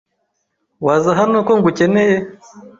Waza hano ko ngukeneye?